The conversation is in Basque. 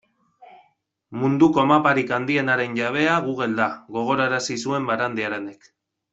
Munduko maparik handienaren jabea Google da, gogorarazi zuen Barandiaranek.